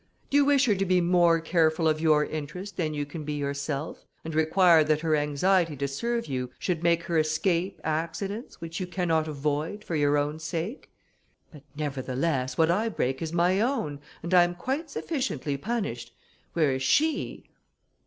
Do you wish her to be more careful of your interest than you can be yourself, and require that her anxiety to serve you should make her escape accidents, which you cannot avoid, for your own sake?" "But, nevertheless, what I break is my own, and I am quite sufficiently punished, whereas she...."